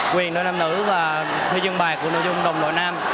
quyền đôi nam nữ và huy chương bài của nội dung đồng đội nam